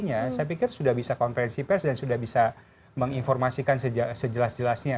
saya pikir sudah bisa konferensi pers dan sudah bisa menginformasikan sejelas jelasnya